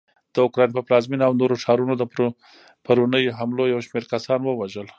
د اوکراین پر پلازمېنه او نورو ښارونو د پرونیو حملو یوشمېر کسان ووژل